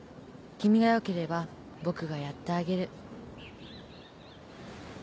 君がよければ僕がやってあげる